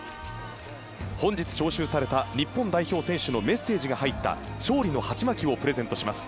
本日、招集された日本代表選手のメッセージが入った勝利のハチマキをプレゼントします。